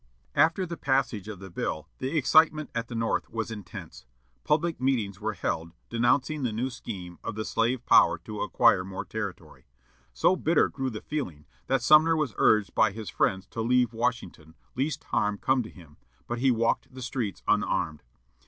After the passage of the bill the excitement at the North was intense. Public meetings were held, denouncing the new scheme of the slave power to acquire more territory. So bitter grew the feeling that Sumner was urged by his friends to leave Washington, lest harm come to him; but he walked the streets unarmed.